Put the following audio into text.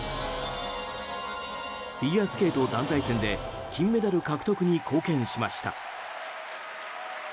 フィギュアスケート団体戦で金メダル獲得に貢献しました。